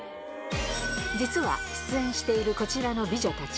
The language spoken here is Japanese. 実は出演しているこちらの美女たち。